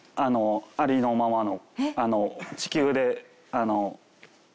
ありのままの。